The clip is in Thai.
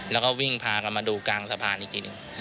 แล้วก็วิ่งพากันมาดูกลางสะพานอีกทีหนึ่ง